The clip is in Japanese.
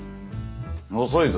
遅いぞ。